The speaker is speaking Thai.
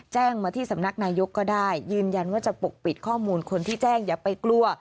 แจ้งมาที่สำนักนายกก็ได้ยืนยันว่าจะปกปิดข้อมูลคนที่แจ้งอย่าไปกลัว